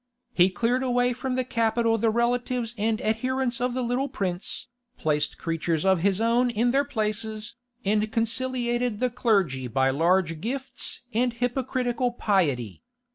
He cleared away from the capital the relatives and adherents of the little prince, placed creatures of his own in their places, and conciliated the clergy by large gifts and hypocritical piety.